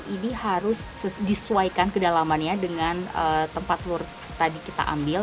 ini harus disesuaikan kedalamannya dengan tempat telur tadi kita ambil